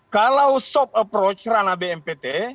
kalau soft approach ranah bnpt